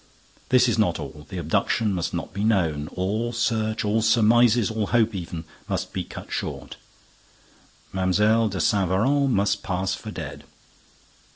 This is not all. The abduction must not be known. All search, all surmises, all hope, even, must be cut short. Mlle. de Saint Véran must pass for dead.